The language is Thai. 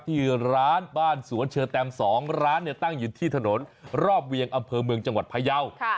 ที่ร้านบ้านสวนเชอร์แตม๒ร้านตั้งอยู่ที่ถนนรอบเวียงอำเภอเมืองจังหวัดพยาว